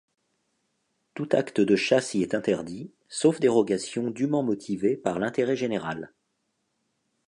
Tout acte de chasse y est interdit, sauf dérogation dûment motivée par l'intérêt général.